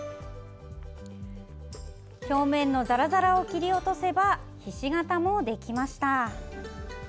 表面のザラザラを切り落とせばひし形もできました。